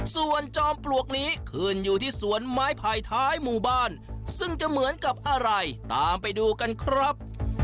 ส่วนจอมปลวกนี้ขึ้นอยู่ที่สวนไม้ไผ่ท้ายหมู่บ้านซึ่งจะเหมือนกับอะไรตามไปดูกันครับ